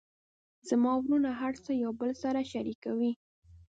زما وروڼه هر څه یو بل سره شریکوي